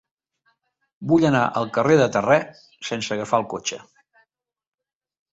Vull anar al carrer de Terré sense agafar el cotxe.